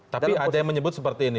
tapi ada yang menyebut seperti ini